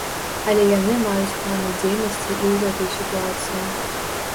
Але яны маюць планы дзейнасці і ў гэтай сітуацыі.